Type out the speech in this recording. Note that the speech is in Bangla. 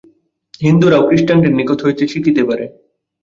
হিন্দুরাও খ্রীষ্টানদের নিকট হইতে শিখিতে পারে।